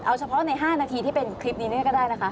เอาเฉพาะใน๕นาทีที่เป็นคลิปนี้ก็ได้นะคะ